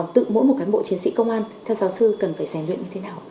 tự mỗi một cán bộ chiến sĩ công an theo giáo sư cần phải rèn luyện như thế nào